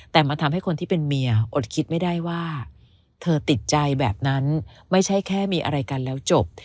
แต่มันทำให้คนที่เป็นเมียอดคิดไม่ได้ว่าเธอติดใจแบบนั้นไม่ใช่แค่มีอะไรกันแล้วจบ